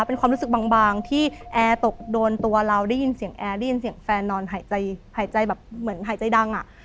เป็นความรู้สึกบางที่แอร์ตกโดนตัวเราได้ยินเสียงแอร์ได้ยินเสียงแฟนนอนหายใจหายใจแบบเหมือนหายใจดังอ่ะ